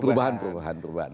perubahan perubahan perubahan